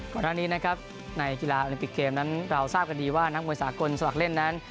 ก่อนหน้านี้นะครับในกีฬาโอลิมปิกเกมนั้นเราทราบกันดีว่านักมวยสากลสมัครเล่นนั้น